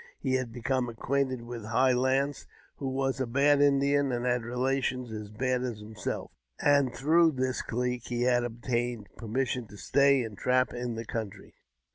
He had become acquainted with High Lance, who was a bad Indian, and had relations as bad as himself ; and through this clique he had obtained per mission to stay and trap in the country.